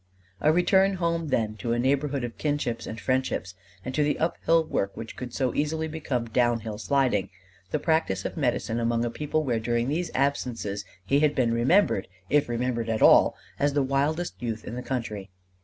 A return home then to a neighborhood of kinships and friendships and to the uphill work which could so easily become downhill sliding the practice of medicine among a people where during these absences he had been remembered, if remembered at all, as the wildest youth in the country.